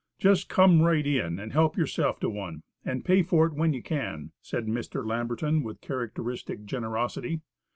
"Just come right in, and help yourself to one, and pay for it when you can," said Mr. Lamberton with characteristic generosity.